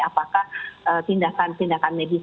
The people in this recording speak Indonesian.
apakah tindakan tindakan medis